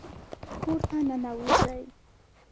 کور ته ننوځئ